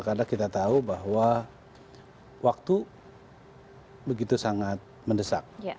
karena kita tahu bahwa waktu begitu sangat mendesak